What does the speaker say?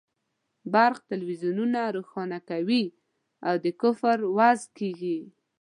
برق تلویزیونونه روښانه کوي او د کفر وعظ کېږي.